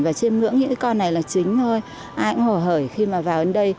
và trên ngưỡng nghĩ cái con này là chính thôi ai cũng hổ hởi khi mà vào đến đây